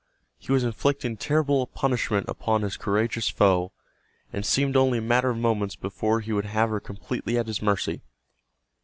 He was inflicting terrible punishment upon his courageous foe, and it seemed only a matter of moments before he would have her completely at his mercy.